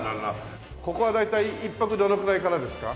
ここは大体１泊どのくらいからですか？